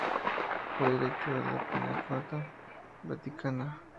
Fue director de la Pinacoteca Vaticana.